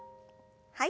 はい。